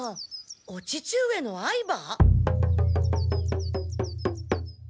お父上の愛馬？